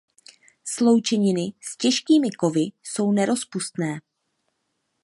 Sloučeniny s těžkými kovy jsou nerozpustné.